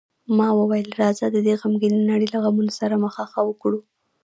ما وویل: راځه، د دې غمګینې نړۍ له غمو سره مخه ښه وکړو.